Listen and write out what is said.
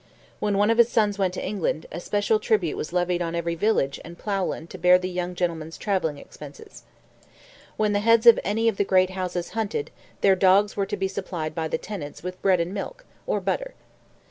When one of his sons went to England, a special tribute was levied on every village and ploughland to bear the young gentleman's travelling expenses. When the heads of any of the great houses hunted, their dogs were to be supplied by the tenants "with bread and milk, or butter."